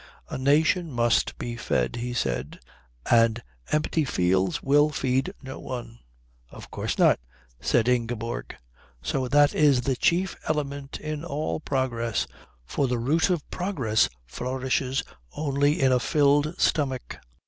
"A nation must be fed," he said, "and empty fields will feed no one." "Of course not," said Ingeborg. "So that it is the chief element in all progress; for the root of progress flourishes only in a filled stomach."